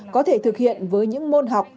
có thể thực hiện với những môn học